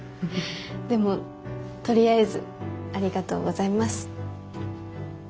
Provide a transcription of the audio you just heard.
でもとりあえずありがとうございます。